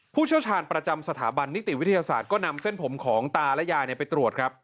เชี่ยวชาญประจำสถาบันนิติวิทยาศาสตร์ก็นำเส้นผมของตาและยายไปตรวจครับ